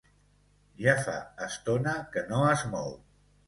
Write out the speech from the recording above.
Ja fa estona que no es mou.